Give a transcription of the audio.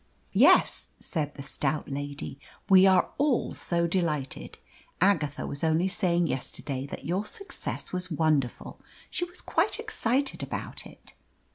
"Yes," said the stout lady, "we are all so delighted. Agatha was only saying yesterday that your success was wonderful. She was quite excited about it."